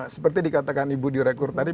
seperti dikatakan ibu direktur tadi